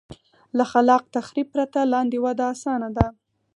له خلاق تخریب پرته لاندې وده اسانه ده.